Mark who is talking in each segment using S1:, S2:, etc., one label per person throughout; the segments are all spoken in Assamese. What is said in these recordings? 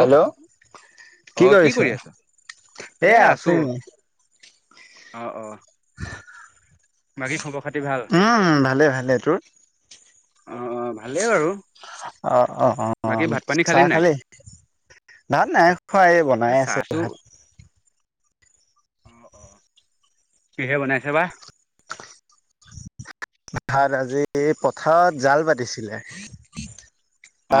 S1: হেল্ল'
S2: অ
S1: কি কৰিছ,
S2: কৰি আছ?
S1: এ আছি।
S2: অ', অ, বাকী খবৰ খাতি ভাল?
S1: উম, ভালে ভালে, তোৰ?
S2: অ অ', ভালে বাৰু।
S1: অ', অ, অ, অ,
S2: বাকী ভাত পানী
S1: চাহ
S2: নাই?
S1: খালি? ভাত নাই খোৱা এই
S2: এ
S1: বনাই আছে
S2: চাহটো
S1: ভাত।
S2: কিহে বনাইছে বা?
S1: ভাত আজি পথাৰত জাল পাতিছিলে।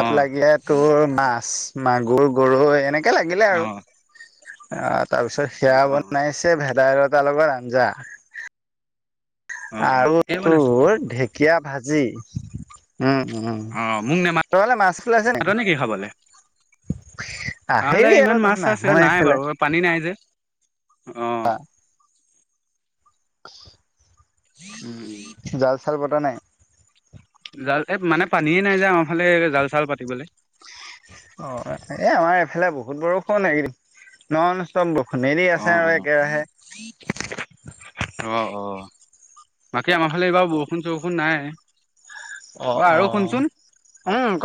S2: অ
S1: লাগে তোৰ মাছ মাগুৰ, গৰৈ এনেকে লাগিলে
S2: অ
S1: আৰু। আহ তাৰপিছত
S2: অ
S1: সেয়া
S2: অ
S1: বনাইছে ভেদাইলতাৰ লগত আঞ্জা।
S2: অ অ
S1: আৰু
S2: ঠিকেই বনাইছো
S1: তোৰ
S2: বাৰু
S1: ঢেকীয়া ভাজি। উম, উম,
S2: অ মোক নেমাত
S1: তহতে মাছ ফুলাইছে নি?
S2: নেকি খাবলে? আহলে ইমান মাছ চাছ নাই বাৰু পানী
S1: [unintelligible]
S2: নাই যে অ', উম উম
S1: জাল চাল পতা নাই?
S2: জাল এই মানে পানীয়ে নাই যোযৱা আমাৰ ফালে জাল চাল পাতিবলৈ
S1: অ এ আমাৰ এইফালে বহুত বৰষুণ এককেইদিন নন ষ্টপৰ শুণদি
S2: অ
S1: আছে
S2: অ
S1: আৰু একেৰাহে
S2: অ অ বাকী আমাৰ ফালে এইবাৰ বৰষুণ চৰষুণ নাই
S1: অঁ
S2: আৰু
S1: অ
S2: শুনচোন
S1: উম ক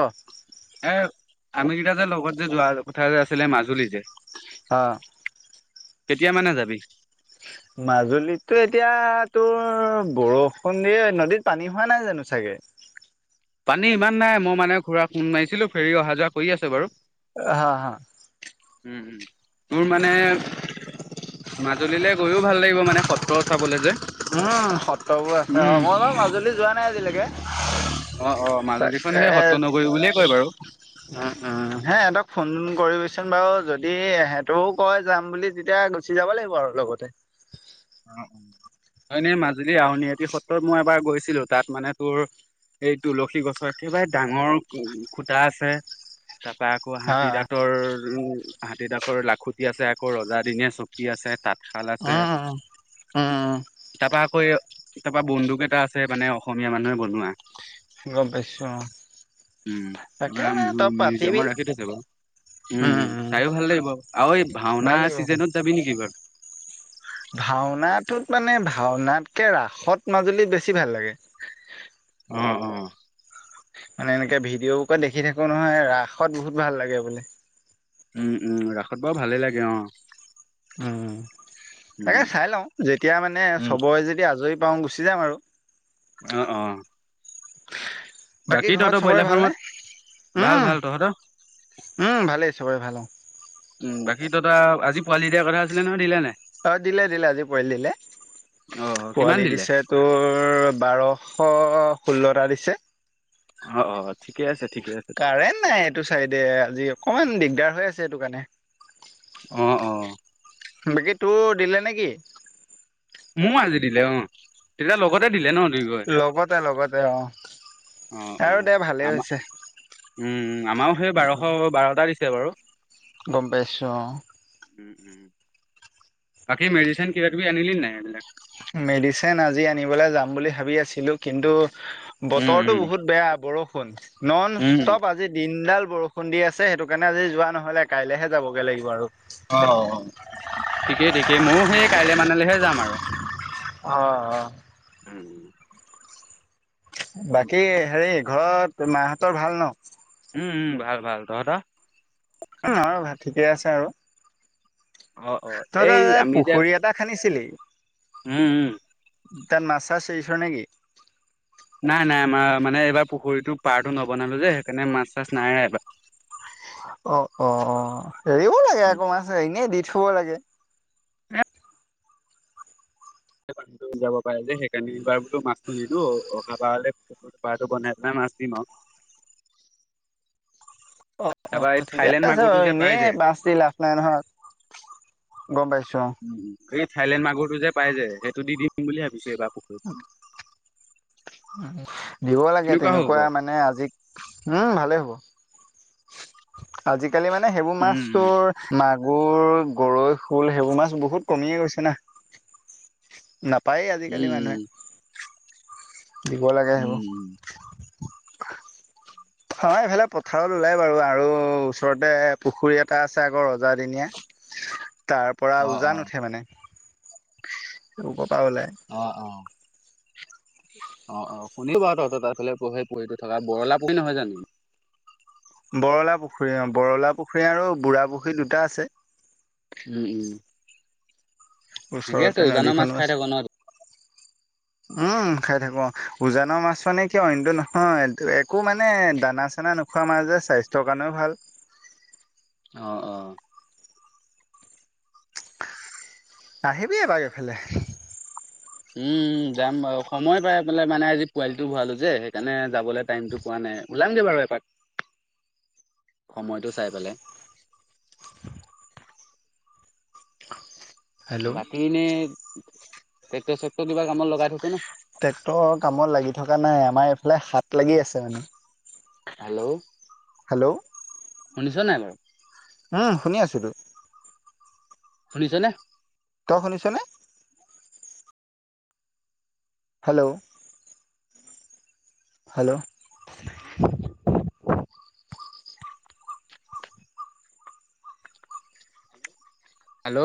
S2: এ আমি কেইটা যে লগত যে যোৱা কথা যে আছিলে মাজুলী যে
S1: অ।
S2: কেতিয়া মানে যাবি?
S1: মাজুলীততো এতিয়া তোৰ বৰষুণ দিয়ে নদীত পানী হোৱা নাই জানো চাগে? গে।
S2: পানী ইমান নাই মই মানে খুৰা ফুণ মাৰিছিলো ফেৰি অহা যোৱা কৰি আছে বাৰু!
S1: হা হা।
S2: উম উম তোৰ মানে মাজুলীলৈ গৈও ভাল লাগিব মানে সত্ৰ চাবলে যে,
S1: অঁ, সত্ৰবোৰ আছে অ
S2: উম।
S1: মই বাৰু মাজুলী যোৱা নাই আজিলৈকে।
S2: অ অ মাজুলীখন সেই
S1: তাকে
S2: সত্ৰ নগৰী বুলিয়ে কয় বাৰু।
S1: উম উম এ হেতক ফোন উম, কৰিবিচোন বাৰু যদি হেটও কয় যাম বুলি তেতিয়া গুচি যাব লাগিব আৰু লগতে। [inaudible]
S2: অ হয়নে মাজুলীৰ আউনিআটী সত্ৰত মই এবাৰ গৈছিলো তাত মানে তোৰ? এই তুলসী গছৰ একেবাৰে ডাঙৰ খুতা আছে। তাৰ পৰা আকৌ
S1: হা
S2: হাতী দাঁতৰ উ হাতীডাতৰ লাখুটি আছে আকৌ ৰজ দিনীয়া চকি আছে তাঁতশাল আছে।
S1: অঁ, অঁ।
S2: হয় তাৰপৰা বন্দুক এটা আছে মানে অসমীয়া মানুহে বনোৱা।
S1: গম পাইছো অঁ।
S2: উম মিউজিয়ামৰ ৰাখী থৈছে বাৰু! উম, উম চাইও ভাল লাগিব আৰু এই
S1: ভাল
S2: ভাওনা
S1: লাগিব।
S2: চিজনত যাবি নেকি বাৰু?
S1: ভাওনাটোত মানে ভাওনাতকে ৰাসত মাজুলী বেছি ভাল লাগে।
S2: অঁ, অঁ।
S1: মানে এনেকে ভিডিঅ' বুকত দেখি থাকো নহয় ৰাসত বহুত ভাল লাগে বোলে
S2: উম উম ৰাসত বাৰু ভালে লাগে অ
S1: উম তাকে
S2: উম।
S1: চাই লও যেতিয়া মানে চবৰে যদি আজৰি পাওঁ গুচি যাম আৰু
S2: অ অ
S1: বাকী
S2: তহঁতৰ
S1: ঘৰত সবৰে
S2: ব্ৰইলাৰ ফাৰ্মত
S1: ভালনে
S2: ভাল ভাল তহঁতৰ?
S1: উম উম ভালেই চবৰে ভাল অ
S2: উম বাকী ত তই আজি পোৱালি দিয়াৰ কথা আছিলে নহয় দিলে নাই
S1: অ দিলে দিলে আজি পোৱালি দিলে
S2: অ কিমান
S1: পোৱালি
S2: দিলে?
S1: দিছে তোৰ বাৰশ ষোল্লটা দিছে
S2: অ অ ঠিকে আছে ঠিকে আছে
S1: কাৰেণ্ট নাই এইটো চাইডে আজি অকমান দিগদাৰ হৈ আছে এইটো কাৰণে
S2: অ অ
S1: বাকী তোৰ দিলে নেকি
S2: মো আজি দিলে অ তেতিয়া লগতে দিলে ন দুয়োঘৰে
S1: লগতে লগতে অ
S2: অ অ
S1: আৰু দে ভালেই
S2: আমাৰ
S1: হৈছে
S2: উম আমাৰও সেই বাৰশ বাৰটা দিছে বাৰু
S1: গম পাইছোঁ অ
S2: উম উম বাকি মেডিচিন কিবা কিবি আনিল নাই এইবিলাক
S1: মেডিচিন আজি আনিবলে যাম বুলি ভাবি আছিলো কিন্তু
S2: উম
S1: বতৰৰতো
S2: উম
S1: বহুত বেয়া বৰষুণ নন
S2: উম
S1: ষ্টপ আজি দিনডাল বৰষুণ দি আছে সেইটো কাৰণে আজি যোৱা নহলে কাইলৈহে যাবগে লাগিব আৰু
S2: ঠিকেই ঠিকেই ময়ো সেই কাইলে মানলৈহে যাম আৰু
S1: অ' অ
S2: উম
S1: বাকী হেৰি ঘৰত মাহঁতৰ ভাল ন।
S2: উম ভাল ভাল তহতৰ
S1: আৰু ভাত ঠিকে আছে আৰু
S2: অ অ এই
S1: তহতৰ
S2: আমি যে
S1: পুখুৰী এটা খান্দিছিলি
S2: উম উম
S1: তাত মাছ চাচ দিছ নে কি?
S2: নাই নাই আমাৰ মানে এইবাৰ পুখুৰীটো পাৰটো নবনালো যে সেইকাৰণে মাছ চাছ নাই এইবাৰ
S1: অ -অ -অ হেৰিব লাগে অক মা এনেই দি থব লাগে
S2: পানীটো যাব পাৰে যে সেইকাৰণে এইবাৰ বোলো মাছটো নিিলো অহা পাৰ পটো বনাই সাত দিনত
S1: [inaudible] অ -অ
S2: তাৰপৰা এই
S1: ঠিকে
S2: থাইলেণ্ড
S1: আছে ব
S2: মাগুৰটো যে পাই
S1: এনেই
S2: যে
S1: বাছ দি লাভ নাই নহয় গম পাইছো
S2: উ এই থাইলেণ্ড মাগুৰটো যে পাই যে সেইটো দি দিম বুলি ভাবিছো এইবাৰ পুখুৰীত।
S1: দিব লাগে
S2: কেনেকুৱা হ'ব
S1: তেনেকুৱা
S2: বাৰু?
S1: মানে আজি উম ভালে হ'ব আজিকালি মানে সেইবোৰ মাছ
S2: উম,
S1: তৰ ম এইবোৰ গৰৈ শোল সেইবোৰ মাছ বহুত কমিয়ে গৈছে না ন পায়েই আজিকালি
S2: উম,
S1: মানুহে দিব লাগে সেইবোৰ
S2: উম,
S1: অ' এইফালে পথাৰত ললে বাৰু আৰু ওচৰতে পুখুৰী এটা আছে আকৌ ৰজাদিনীয়া তাৰ পৰা
S2: অ',
S1: উজান
S2: অ',
S1: উঠে মানে উ,
S2: অ -অ অ 'অ' শুনো বাৰু তহঁতৰ তাৰফালে থকা বগলা পুহি নহয় জানো।
S1: বৰলা পুখুৰী অ বৰলা পুখুৰী আৰু বুঢ়া পুখুৰী দুটা আছে।
S2: উম, উম ঠিকে
S1: ওচৰতে
S2: আছে উজানৰ মাছ
S1: নদীখনো
S2: খাই
S1: আছে
S2: থাকো ন।
S1: উম, খাই থাকো উজানৰ মাছ মানে কিয় ইন্তু নহয়। একো মানে দানা চানা নাই নোখোৱা মাজে যে স্বাস্থ্যৰ কাৰণেও ভাল।
S2: অ',
S1: আহিবি বাৰু এইফালে
S2: উম যাম ব সময় পাই পাই মানে আজি পোৱালিটো ভৰালো যে সেইকাৰণে যাবলৈ টাইমটো পোৱা নাই। ওলামগে বাৰু এপাক।
S1: উ,
S2: সময়টো চাই পেলাই।
S1: [inaudible]
S2: বাকী এনে ট্ৰেক্টৰ চেক্টৰ কিবা কামত লগাই থৈছা নে।
S1: ট্ৰেক্টৰৰ কামত লাগি থকা নাই আমাৰ এইফালে সাত লাগি আছে মানে
S2: হেল্ল'
S1: হেল্ল'
S2: শুনিছ নাই বাৰু
S1: উম শুনি আছো তো।
S2: শুনিছনে?
S1: তই শুনিছেনে। Hello hello
S2: hello